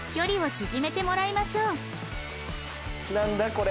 これ。